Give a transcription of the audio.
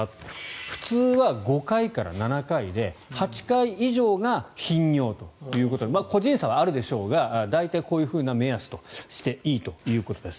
普通は５回から７回で８回以上が頻尿ということで個人差はあるでしょうが大体こういう目安としていいということです。